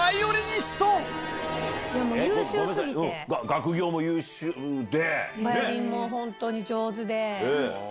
学業も優秀で。